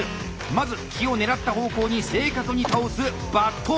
まず木を狙った方向に正確に倒す伐倒。